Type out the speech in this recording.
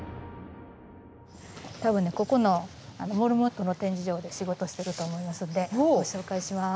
多分ねここのモルモットの展示場で仕事してると思いますんでご紹介します。